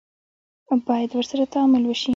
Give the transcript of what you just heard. باید ورسره تعامل وشي.